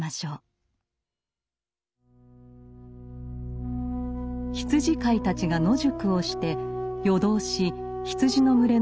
羊飼いたちが野宿をして夜通し羊の群れの番をしていたところ。